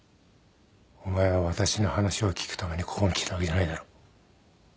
お前は私の話を聞くためにここに来たわけじゃないだろ。